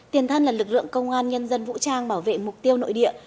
tiền thân là lực lượng công an nhân dân vũ trang bảo vệ mục tiêu nội địa